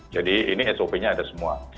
jadi ini sop nya ada semua